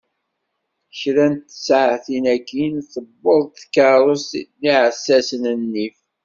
Kra n tsaɛtin akin, tiweḍ-d tkarrust n yiɛessassen n nnif.